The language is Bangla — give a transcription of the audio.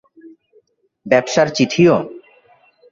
ব্যবসার চিঠিও!